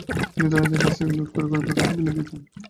তিনি ধনীদের কাছ থেকে লুট করে গরিবদের কাছে বিলিয়ে দিতেন।